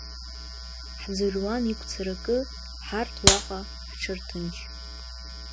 Ҳӡырҩуан игәцаракы, ҳарҭ уаҟа ҳҽырҭынч.